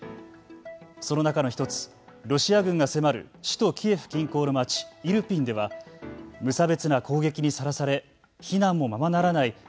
その中のひとつ、ロシア軍が迫る首都キエフ近郊の街イルピンでは無差別な攻撃にさらされ避難もままならない